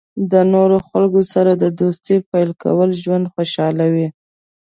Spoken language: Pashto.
د نوو خلکو سره د دوستۍ پیل کول ژوند خوشحالوي.